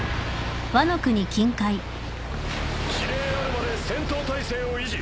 指令あるまで戦闘態勢を維持。